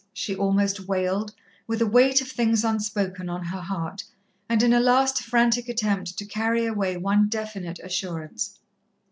she almost wailed, with a weight of things unspoken on her heart, and in a last frantic attempt to carry away one definite assurance.